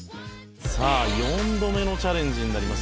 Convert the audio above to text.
「さあ４度目のチャレンジになります」